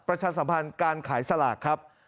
ประชาสัมพันธ์การขายสลากครับ